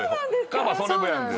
カバそれもやるんだよ。